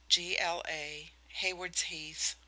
G.L.A. HAYWARDS HEATH.